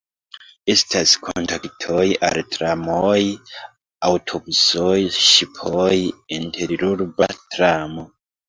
Estas kontaktoj al tramoj, aŭtobusoj, ŝipoj, interurba tramo.